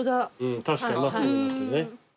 確かに真っすぐになってるね。